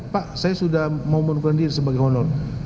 pak saya sudah mau berpendiri sebagai honor